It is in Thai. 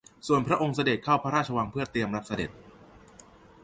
ส่วนพระองค์เสด็จเข้าพระราชวังเพื่อเตรียมรับเสด็จ